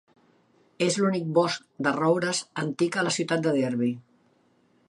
És l'únic bosc de roures antic a la ciutat de Derby.